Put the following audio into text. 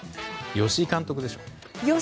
吉井監督でしょう？